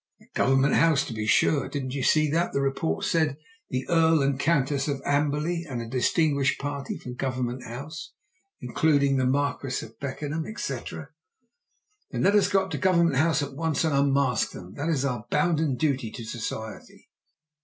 "At Government House, to be sure. Didn't you see that the report said, 'The Earl and Countess of Amberley and a distinguished party from Government House, including the Marquis of Beckenham,' etc.?" "Then let us go to Government House at once and unmask them. That is our bounden duty to society."